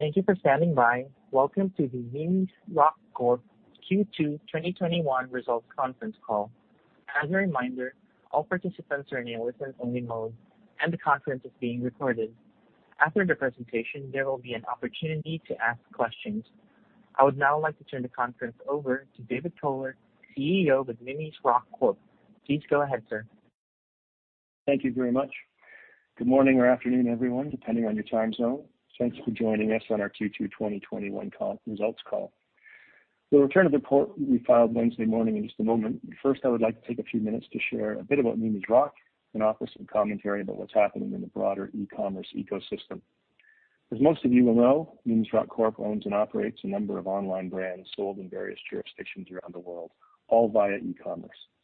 Thank you for standing by. Welcome to the Mimi's Rock Corp Q2 2021 Results Conference Call. As a reminder, all participants are in listen-only mode, and the conference is being recorded. After the presentation, there will be an opportunity to ask questions. I would now like to turn the conference over to David Kohler, CEO of Mimi's Rock Corp. Please go ahead, sir. Thank you very much. Good morning or afternoon, everyone, depending on your time zone. Thanks for joining us on our Q2 2021 results call. We'll return to the report we filed Wednesday morning in just a moment. I would like to take a few minutes to share a bit about Mimi's Rock and offer some commentary about what's happening in the broader e-commerce ecosystem. Most of you will know, Mimi's Rock Corp owns and operates a number of online brands sold in various jurisdictions around the world, all via e-commerce. We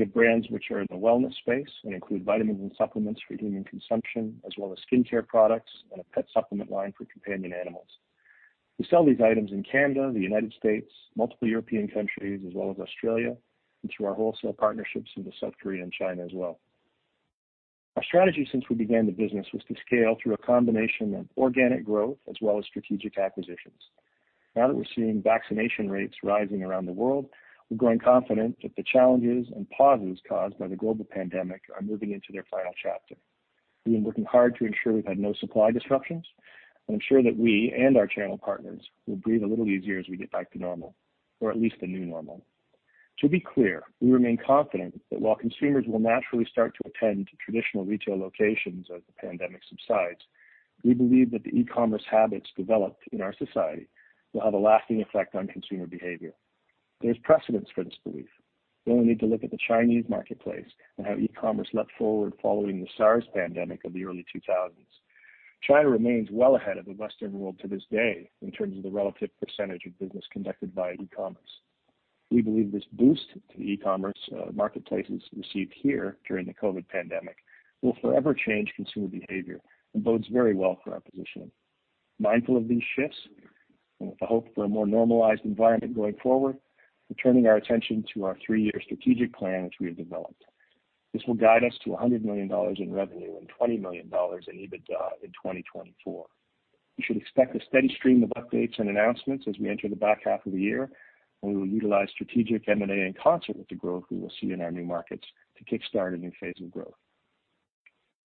have brands which are in the wellness space and include vitamins and supplements for human consumption, as well as skincare products and a pet supplement line for companion animals. We sell these items in Canada, the United States, multiple European countries, as well as Australia, and through our wholesale partnerships into South Korea and China as well. Our strategy since we began the business was to scale through a combination of organic growth as well as strategic acquisitions. Now that we're seeing vaccination rates rising around the world, we're growing confident that the challenges and pauses caused by the global pandemic are moving into their final chapter. We've been working hard to ensure we've had no supply disruptions, and I'm sure that we and our channel partners will breathe a little easier as we get back to normal, or at least the new normal. To be clear, we remain confident that while consumers will naturally start to attend to traditional retail locations as the pandemic subsides, we believe that the e-commerce habits developed in our society will have a lasting effect on consumer behavior. There's precedence for this belief. We only need to look at the Chinese marketplace and how e-commerce leapt forward following the SARS pandemic of the early 2000s. China remains well ahead of the Western world to this day in terms of the relative percentage of business conducted via e-commerce. We believe this boost to e-commerce, marketplaces received here during the COVID pandemic will forever change consumer behavior and bodes very well for our positioning. Mindful of these shifts and with the hope for a more normalized environment going forward, we're turning our attention to our three-year strategic plan, which we have developed. This will guide us to 100 million dollars in revenue and 20 million dollars in EBITDA in 2024. You should expect a steady stream of updates and announcements as we enter the back half of the year, and we will utilize strategic M&A in concert with the growth we will see in our new markets to kickstart a new phase of growth.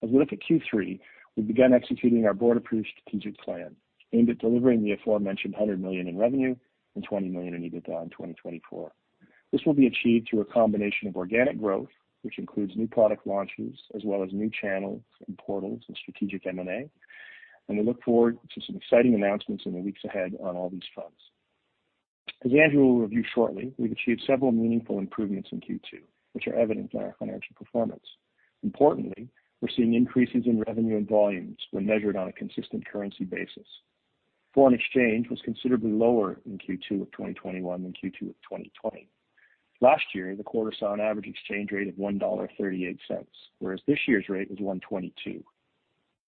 As we look at Q3, we've begun executing our board-approved strategic plan aimed at delivering the aforementioned 100 million in revenue and 20 million in EBITDA in 2024. This will be achieved through a combination of organic growth, which includes new product launches, as well as new channels and portals and strategic M&A, and we look forward to some exciting announcements in the weeks ahead on all these fronts. As Andrew will review shortly, we've achieved several meaningful improvements in Q2, which are evident in our financial performance. Importantly, we're seeing increases in revenue and volumes when measured on a consistent currency basis. Foreign exchange was considerably lower in Q2 of 2021 than Q2 of 2020. Last year, the quarter saw an average exchange rate of 1.38 dollar, whereas this year's rate was 1.22.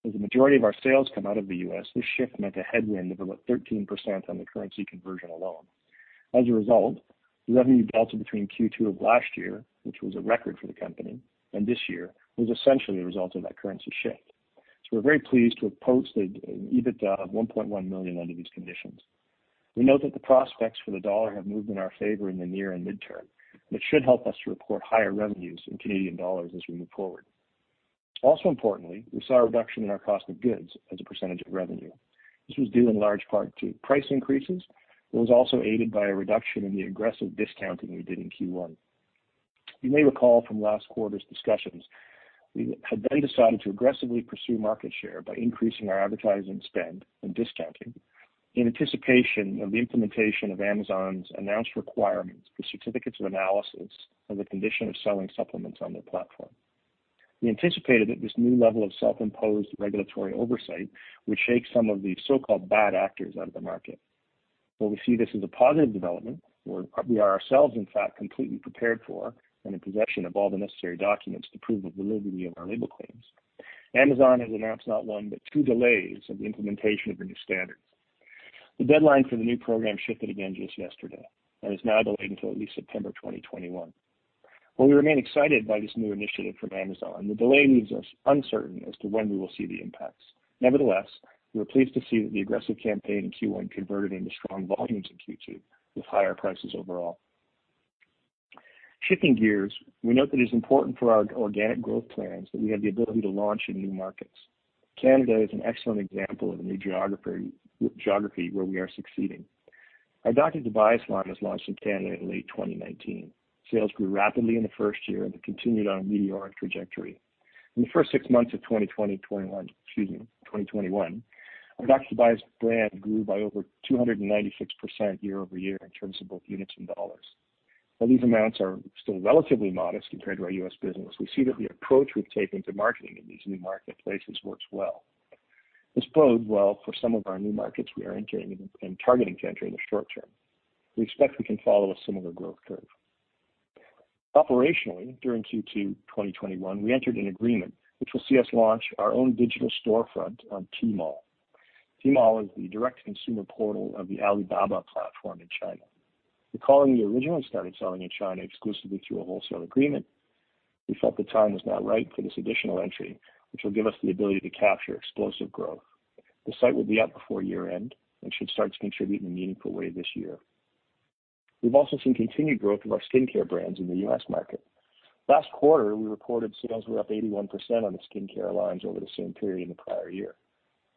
As the majority of our sales come out of the U.S., this shift meant a headwind of about 13% on the currency conversion alone. As a result, the revenue delta between Q2 of last year, which was a record for the company, and this year, was essentially a result of that currency shift. We're very pleased to have posted an EBITDA of 1.1 million under these conditions. We note that the prospects for the dollar have moved in our favor in the near and mid-term, which should help us to report higher revenues in Canadian dollars as we move forward. Also importantly, we saw a reduction in our cost of goods as a percentage of revenue. This was due in large part to price increases, but was also aided by a reduction in the aggressive discounting we did in Q1. You may recall from last quarter's discussions, we had then decided to aggressively pursue market share by increasing our advertising spend and discounting in anticipation of the implementation of Amazon's announced requirement for certificates of analysis as a condition of selling supplements on their platform. We anticipated that this new level of self-imposed regulatory oversight would shake some of the so-called bad actors out of the market. While we see this as a positive development, we are ourselves, in fact, completely prepared for and in possession of all the necessary documents to prove the validity of our label claims. Amazon has announced not one but two delays of the implementation of the new standards. The deadline for the new program shifted again just yesterday and is now delayed until at least September 2021. While we remain excited by this new initiative from Amazon, the delay leaves us uncertain as to when we will see the impacts. Nevertheless, we were pleased to see that the aggressive campaign in Q1 converted into strong volumes in Q2 with higher prices overall. Shifting gears, we note that it is important for our organic growth plans that we have the ability to launch in new markets. Canada is an excellent example of a new geography where we are succeeding. Our Dr. Tobias line was launched in Canada in late 2019. Sales grew rapidly in the first year and have continued on a meteoric trajectory. In the first six months of 2021, our Dr. Tobias brand grew by over 296% year-over-year in terms of both units and dollars. While these amounts are still relatively modest compared to our U.S. business, we see that the approach we've taken to marketing in these new marketplaces works well. This bodes well for some of our new markets we are entering and targeting to enter in the short term. We expect we can follow a similar growth curve. Operationally, during Q2 2021, we entered an agreement which will see us launch our own digital storefront on Tmall. Tmall is the direct-to-consumer portal of the Alibaba platform in China. Recalling, we originally started selling in China exclusively through a wholesale agreement. We felt the time was now right for this additional entry, which will give us the ability to capture explosive growth. The site will be up before year-end and should start to contribute in a meaningful way this year. We've also seen continued growth of our skincare brands in the U.S. market. Last quarter, we reported sales were up 81% on the skincare lines over the same period in the prior year.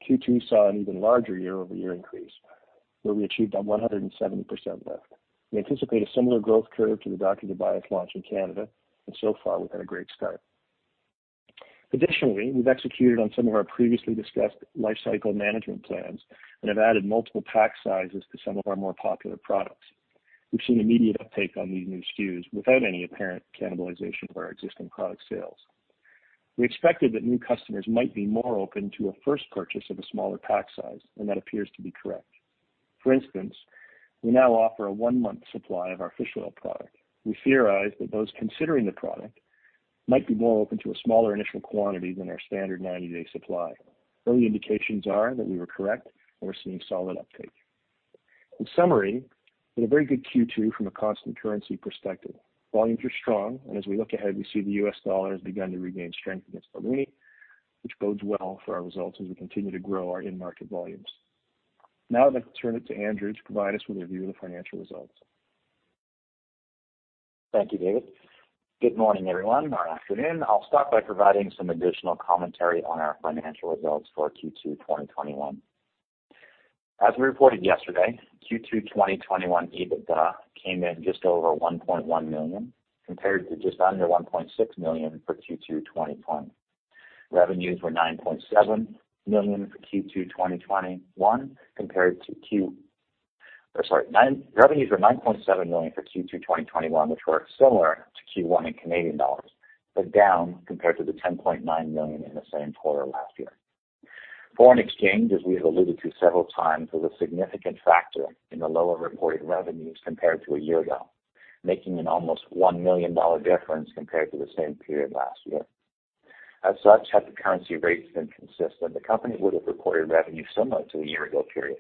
Q2 saw an even larger year-over-year increase, where we achieved a 170% lift. We anticipate a similar growth curve to the Dr. Tobias launch in Canada, and so far we've had a great start. Additionally, we've executed on some of our previously discussed lifecycle management plans and have added multiple pack sizes to some of our more popular products. We've seen immediate uptake on these new SKUs without any apparent cannibalization of our existing product sales. We expected that new customers might be more open to a first purchase of a smaller pack size, and that appears to be correct. For instance, we now offer a one-month supply of our fish oil product. We theorized that those considering the product might be more open to a smaller initial quantity than our standard 90-day supply. Early indications are that we were correct, and we're seeing solid uptake. In summary, we had a very good Q2 from a constant currency perspective. Volumes are strong, and as we look ahead, we see the US dollar has begun to regain strength against the loonie, which bodes well for our results as we continue to grow our in-market volumes. Now I'd like to turn it to Andrew to provide us with a review of the financial results. Thank you, David. Good morning, everyone, or afternoon. I'll start by providing some additional commentary on our financial results for Q2 2021. As we reported yesterday, Q2 2021 EBITDA came in just over 1.1 million, compared to just under 1.6 million for Q2 2020. Revenues were 9.7 million for Q2 2021, which were similar to Q1 in Canadian dollars, but down compared to the 10.9 million in the same quarter last year. Foreign exchange, as we have alluded to several times, was a significant factor in the lower reported revenues compared to a year ago, making an almost 1 million dollar difference compared to the same period last year. Had the currency rates been consistent, the company would have reported revenue similar to a year-ago period.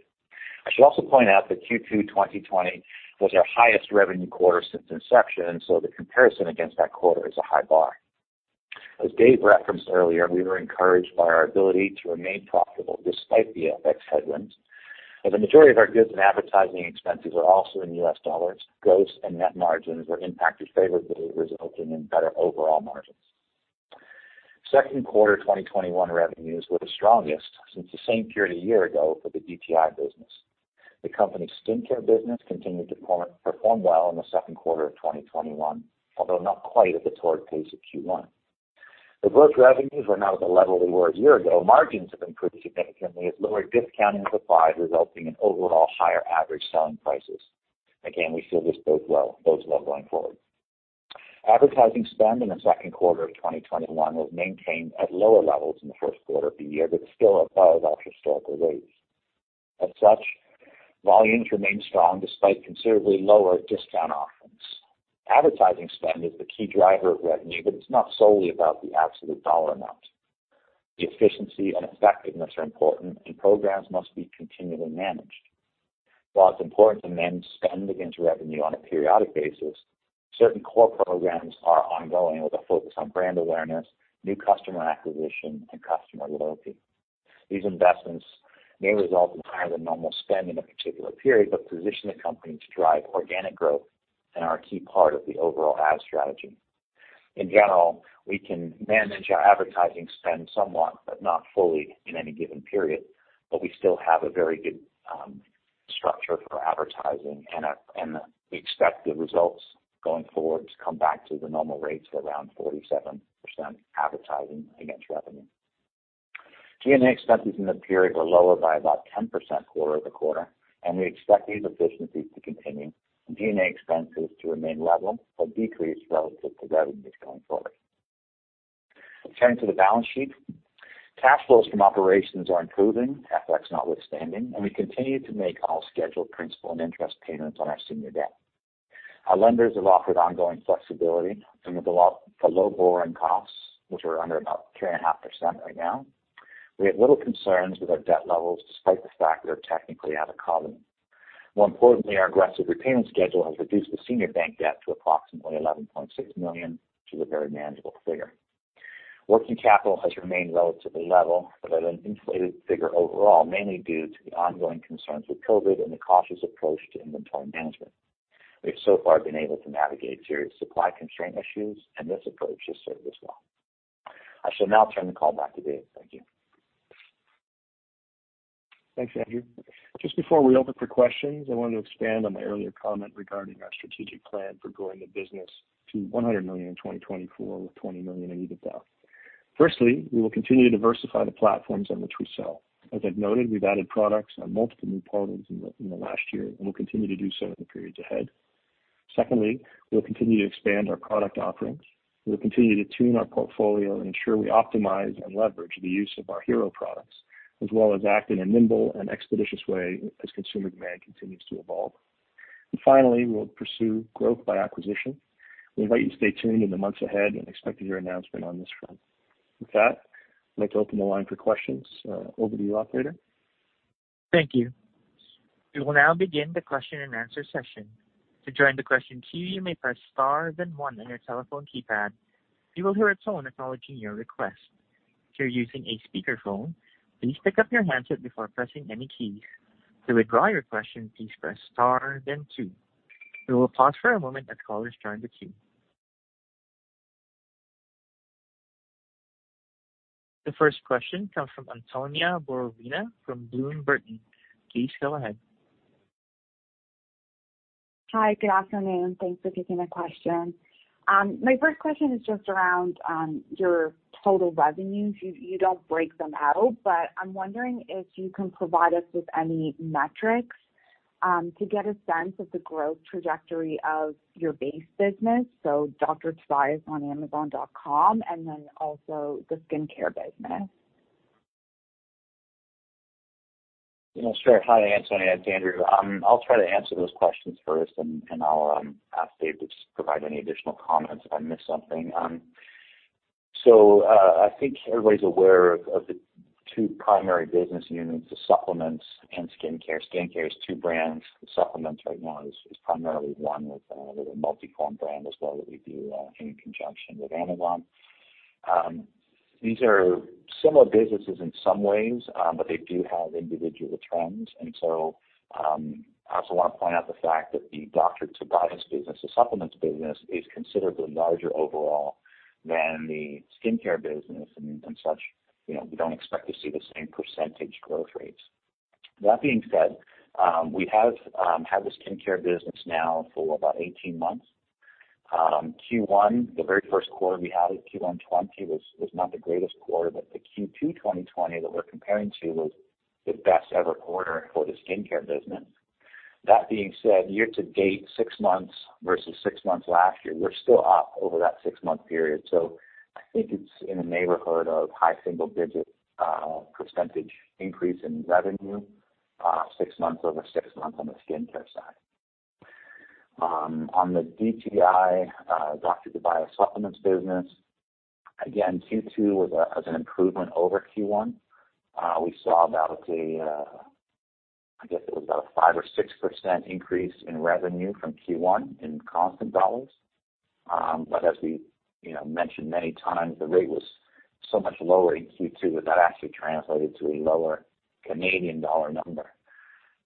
I should also point out that Q2 2020 was our highest revenue quarter since inception, so the comparison against that quarter is a high bar. As Dave referenced earlier, we were encouraged by our ability to remain profitable despite the FX headwinds. As the majority of our goods and advertising expenses are also in U.S. dollars, gross and net margins were impacted favorably, resulting in better overall margins. Second quarter 2021 revenues were the strongest since the same period a year ago for the DTI business. The company's skincare business continued to perform well in the second quarter of 2021, although not quite at the torrid pace of Q1. Though both revenues are now at the level they were a year ago, margins have improved significantly as lower discounting was applied, resulting in overall higher average selling prices. Again, we feel this bodes well going forward. Advertising spend in the second quarter of 2021 was maintained at lower levels in the first quarter of the year, but still above our historical rates. As such, volumes remained strong despite considerably lower discount offerings. Advertising spend is the key driver of revenue, but it's not solely about the absolute CAD amount. The efficiency and effectiveness are important, and programs must be continually managed. While it's important to manage spend against revenue on a periodic basis, certain core programs are ongoing with a focus on brand awareness, new customer acquisition, and customer loyalty. These investments may result in higher than normal spend in a particular period, but position the company to drive organic growth and are a key part of the overall ad strategy. In general, we can manage our advertising spend somewhat, but not fully in any given period, but we still have a very good structure for advertising, and we expect the results going forward to come back to the normal rates of around 47% advertising against revenue. G&A expenses in the period were lower by about 10% quarter-over-quarter, and we expect these efficiencies to continue and G&A expenses to remain level but decrease relative to revenues going forward. Turning to the balance sheet, cash flows from operations are improving, FX notwithstanding, and we continue to make all scheduled principal and interest payments on our senior debt. Our lenders have offered ongoing flexibility and with the low borrowing costs, which are under about 3.5% right now. We have little concerns with our debt levels, despite the fact they're technically out of covenant. More importantly, our aggressive repayment schedule has reduced the senior bank debt to approximately 11.6 million, which is a very manageable figure. Working capital has remained relatively level, but at an inflated figure overall, mainly due to the ongoing concerns with COVID and the cautious approach to inventory management. We've so far been able to navigate through supply constraint issues, and this approach has served us well. I shall now turn the call back to Dave. Thank you. Thanks, Andrew. Just before we open for questions, I wanted to expand on my earlier comment regarding our strategic plan for growing the business to 100 million in 2024 with 20 million in EBITDA. Firstly, we will continue to diversify the platforms on which we sell. As I've noted, we've added products on multiple new partners in the last year and will continue to do so in the periods ahead. Secondly, we'll continue to expand our product offerings. We'll continue to tune our portfolio and ensure we optimize and leverage the use of our hero products, as well as act in a nimble and expeditious way as consumer demand continues to evolve. Finally, we'll pursue growth by acquisition. We invite you to stay tuned in the months ahead and expect to hear announcement on this front. With that, I'd like to open the line for questions. Over to you, operator. Thank you. We will now begin the question-and-answer session. To join the question queue, you may press star then one on your telephone keypad. You will hear a tone acknowledging your request. If you're using a speakerphone, please pick up your handset before pressing any keys. To withdraw your question, please press star then two. We will pause for a moment as callers join the queue. The first question comes from Antonia Borovina from Bloom Burton. Please go ahead. Hi, good afternoon. Thanks for taking my question. My first question is just around your total revenues. You don't break them out, but I'm wondering if you can provide us with any metrics, to get a sense of the growth trajectory of your base business. Dr. Tobias on amazon.com, and then also the skincare business. Sure. Hi, Antonia. It's Andrew. I'll try to answer those questions first, and I'll ask Dave to provide any additional comments if I miss something. I think everybody's aware of the two primary business units, the supplements and skincare. Skincare is two brands. The supplements right now is primarily one with a little multi-form brand as well that we do in conjunction with Amazon. These are similar businesses in some ways, but they do have individual trends. I also want to point out the fact that the Dr. Tobias business, the supplements business, is considerably larger overall than the skincare business, and as such, we don't expect to see the same percentage growth rates. That being said, we have had the skincare business now for about 18 months. Q1, the very first quarter we had of Q1 2020 was not the greatest quarter, but the Q2 2020 that we're comparing to was the best ever quarter for the skincare business. That being said, year to date, six months versus six months last year, we're still up over that six-month period. I think it's in the neighborhood of high single-digit percentage increase in revenue, six months over six months on the skincare side. On the DTI, Dr. Tobias supplements business, again, Q2 was an improvement over Q1. We saw about a 5% or 6% increase in revenue from Q1 in constant dollars. As we mentioned many times, the rate was so much lower in Q2 that that actually translated to a lower Canadian dollar number.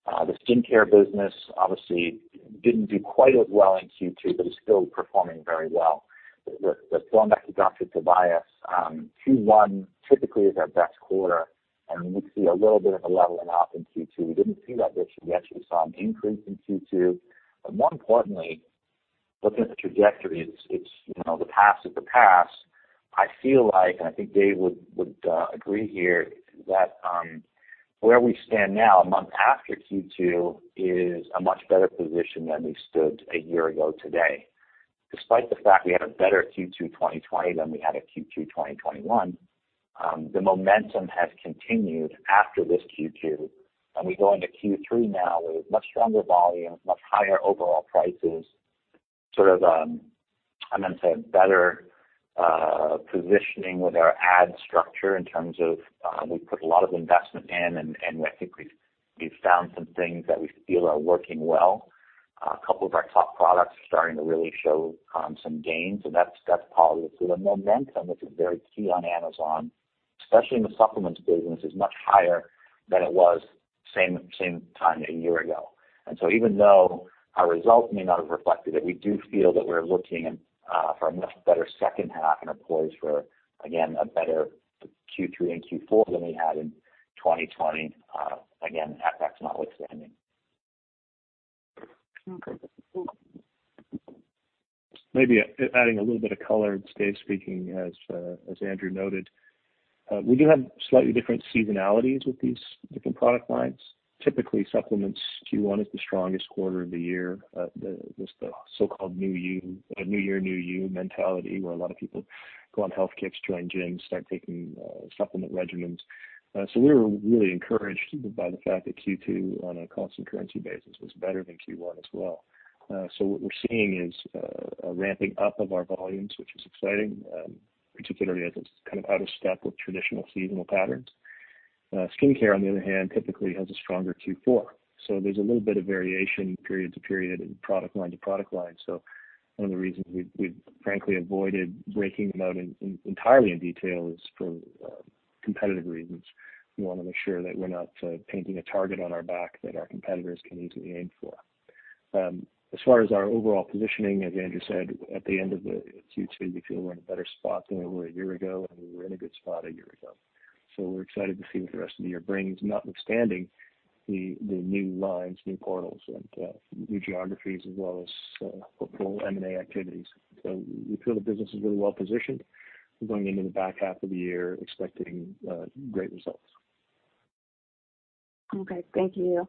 The skincare business obviously didn't do quite as well in Q2, but is still performing very well. With going back to Dr. Tobias, Q1 typically is our best quarter, and we see a little bit of a leveling off in Q2. We didn't see that this year. We actually saw an increase in Q2. More importantly, looking at the trajectory, the past is the past. I feel like, and I think Dave would agree here, that where we stand now, a month after Q2, is a much better position than we stood a year ago today. Despite the fact we had a better Q2 2020 than we had a Q2 2021, the momentum has continued after this Q2, and we go into Q3 now with much stronger volumes, much higher overall prices, sort of, I'm going to say, better positioning with our ad structure in terms of, we put a lot of investment in, and I think we've found some things that we feel are working well. A couple of our top products are starting to really show some gains, and that's positive. Momentum, which is very key on Amazon, especially in the supplements business, is much higher than it was same time a year ago. Even though our results may not have reflected it, we do feel that we're looking for a much better second half and are poised for, again, a better Q3 and Q4 than we had in 2020, again, FX not withstanding. Okay. Maybe adding a little bit of color. It's David Kohler speaking, as Andrew noted. We do have slightly different seasonalities with these different product lines. Typically, supplements Q1 is the strongest quarter of the year. The so-called New Year, New You mentality, where a lot of people go on health kicks, join gyms, start taking supplement regimens. We were really encouraged by the fact that Q2 on a constant currency basis was better than Q1 as well. What we're seeing is a ramping up of our volumes, which is exciting, particularly as it's kind of out of step with traditional seasonal patterns. Skincare, on the other hand, typically has a stronger Q4. There's a little bit of variation period to period and product line to product line. One of the reasons we've frankly avoided breaking them out entirely in detail is for competitive reasons. We want to make sure that we're not painting a target on our back that our competitors can easily aim for. As far as our overall positioning, as Andrew said, at the end of the Q2, we feel we're in a better spot than we were a year ago, and we were in a good spot a year ago. We're excited to see what the rest of the year brings, notwithstanding the new lines, new portals, and new geographies as well as hopeful M&A activities. We feel the business is really well positioned. We're going into the back half of the year expecting great results. Okay. Thank you.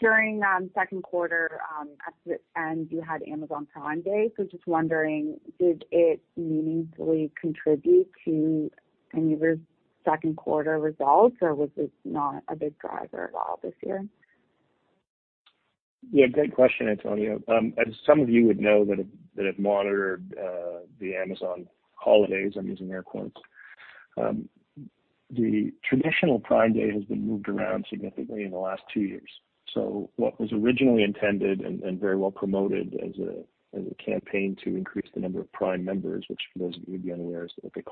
During second quarter, at the end, you had Amazon Prime Day. Just wondering, did it meaningfully contribute to any of your second quarter results, or was it not a big driver at all this year? Yeah, great question, Antonia. As some of you would know that have monitored the Amazon holidays, I'm using air quotes. The traditional Prime Day has been moved around significantly in the last two years. What was originally intended and very well promoted as a campaign to increase the number of Prime members, which for those of you who would be unaware, is what they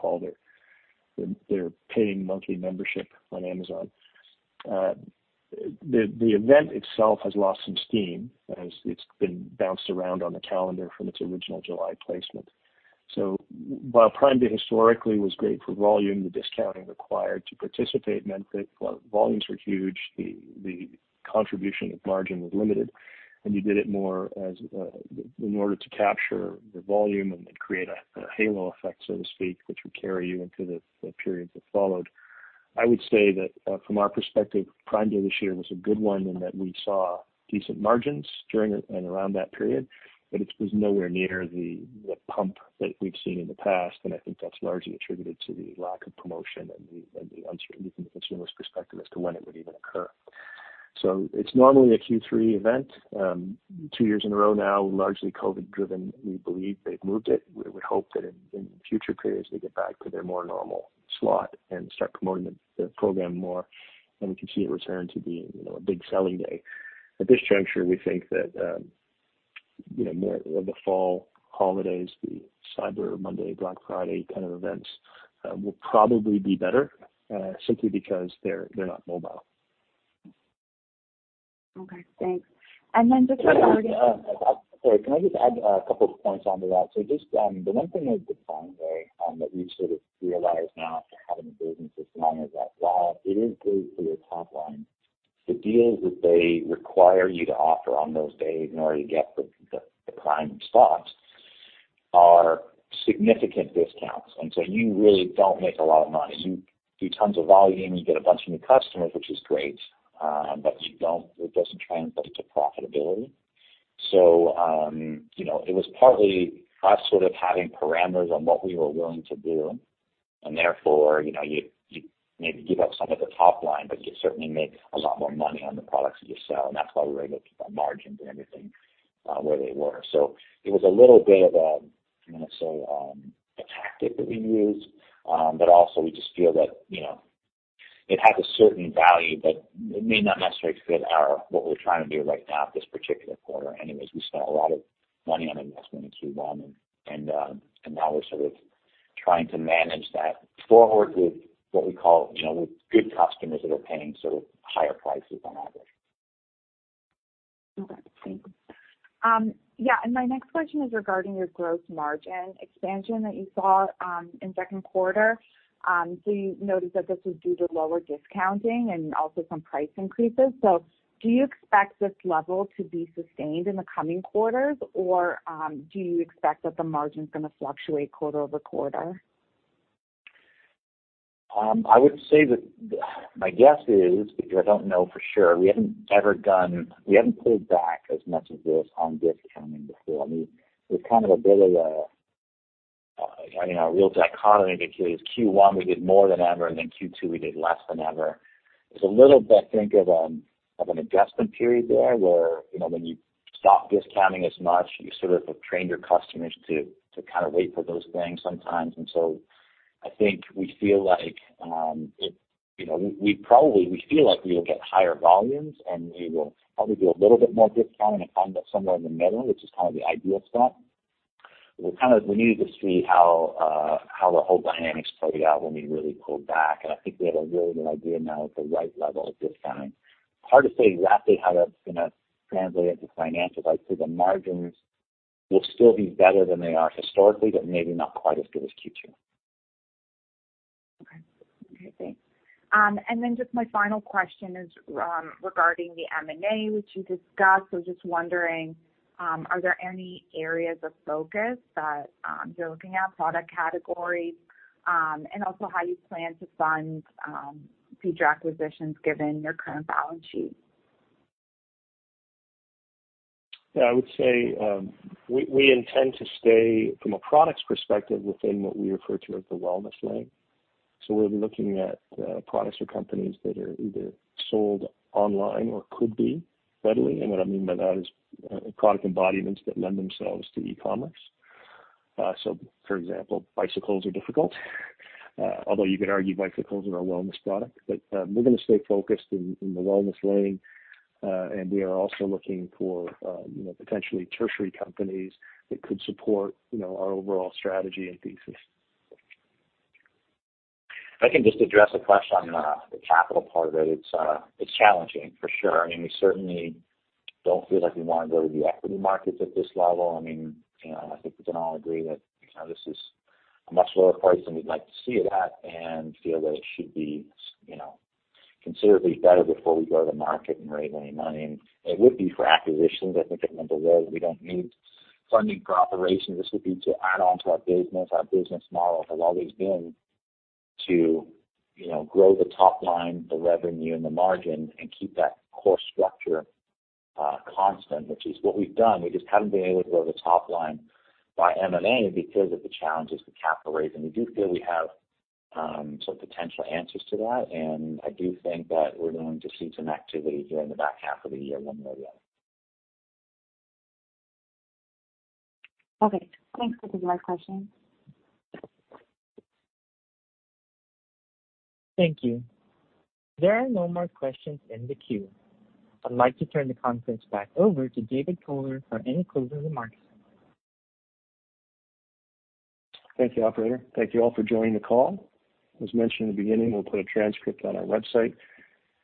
call their paying monthly membership on Amazon. The event itself has lost some steam as it's been bounced around on the calendar from its original July placement. While Prime Day historically was great for volume, the discounting required to participate meant that while volumes were huge, the contribution of margin was limited, and you did it more in order to capture the volume and create a halo effect, so to speak, which would carry you into the periods that followed. I would say that from our perspective, Prime Day this year was a good one in that we saw decent margins during and around that period, but it was nowhere near the pump that we've seen in the past. I think that's largely attributed to the lack of promotion and the uncertainty from the consumer's perspective as to when it would even occur. It's normally a Q3 event. Two years in a row now, largely COVID driven, we believe they've moved it. We would hope that in future periods they get back to their more normal slot and start promoting the program more, and we can see it return to being a big selling day. At this juncture, we think that more of the fall holidays, the Cyber Monday, Black Friday kind of events, will probably be better, simply because they're not mobile. Okay, thanks. Then just regarding- Sorry, can I just add a couple of points onto that? Just the one thing with Prime Day that we sort of realize now after having a business as long as that, while it is good for your top line, the deals that they require you to offer on those days in order to get the Prime spots are significant discounts. You really don't make a lot of money. You do tons of volume, you get a bunch of new customers, which is great, but it doesn't translate to profitability. It was partly us sort of having parameters on what we were willing to do, and therefore, you maybe give up some of the top line, but you certainly make a lot more money on the products that you sell, and that's why we were able to keep our margins and everything where they were. It was a little bit of a, I'm going to say, a tactic that we used, but also we just feel that it has a certain value, but it may not necessarily fit what we're trying to do right now at this particular quarter anyways. We spent a lot of money on investment in Q1, and now we're sort of trying to manage that forward with what we call with good customers that are paying sort of higher prices on average. Okay, thanks. Yeah, my next question is regarding your gross margin expansion that you saw in second quarter. You noted that this was due to lower discounting and also some price increases. Do you expect this level to be sustained in the coming quarters, or do you expect that the margin's going to fluctuate quarter-over-quarter? I would say that my guess is, because I don't know for sure, we haven't pulled back as much as this on discounting before. I mean, it was kind of a bit of a real dichotomy, because Q1 we did more than ever, and then Q2 we did less than ever. It's a little bit, I think, of an adjustment period there, where when you stop discounting as much, you sort of have trained your customers to kind of wait for those things sometimes. I think we feel like we will get higher volumes, and we will probably do a little bit more discounting and find that somewhere in the middle, which is kind of the ideal spot. We needed to see how the whole dynamics played out when we really pulled back, and I think we have a really good idea now at the right level of discounting. Hard to say exactly how that's going to translate into financials. I'd say the margins will still be better than they are historically, but maybe not quite as good as Q2. Okay, thanks. Just my final question is regarding the M&A, which you discussed. I was just wondering, are there any areas of focus that you're looking at, product categories? How you plan to fund future acquisitions given your current balance sheet? Yeah, I would say, we intend to stay from a products perspective within what we refer to as the wellness lane. We'll be looking at products or companies that are either sold online or could be readily. What I mean by that is product embodiments that lend themselves to e-commerce. For example, bicycles are difficult. Although you could argue bicycles are a wellness product. We're going to stay focused in the wellness lane. We are also looking for potentially tertiary companies that could support our overall strategy and thesis. If I can just address a question on the capital part of it. It's challenging for sure. I mean, we certainly don't feel like we want to go to the equity markets at this level. I think we can all agree that this is a much lower price than we'd like to see it at and feel that it should be considerably better before we go to the market and raise any money. It would be for acquisitions. I think I mentioned earlier that we don't need funding for operations. This would be to add on to our business. Our business model has always been to grow the top line, the revenue, and the margin, and keep that core structure constant, which is what we've done. We just haven't been able to grow the top line by M&A because of the challenges with capital raising. We do feel we have some potential answers to that, and I do think that we're going to see some activity here in the back half of the year when we're ready. Okay, thanks. Those are my questions. Thank you. There are no more questions in the queue. I'd like to turn the conference back over to David Kohler for any closing remarks. Thank you, operator. Thank you all for joining the call. As mentioned in the beginning, we'll put a transcript on our website.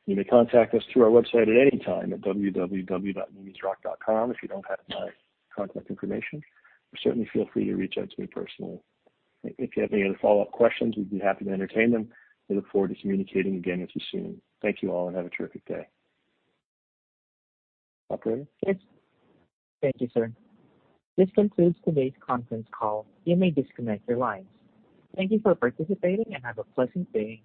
You may contact us through our website at any time at www.mimisrock.com if you don't have my contact information. Certainly feel free to reach out to me personally. If you have any other follow-up questions, we'd be happy to entertain them. We look forward to communicating again with you soon. Thank you all, and have a terrific day. Operator? Yes. Thank you, sir. This concludes today's conference call. You may disconnect your lines. Thank you for participating, and have a pleasant day.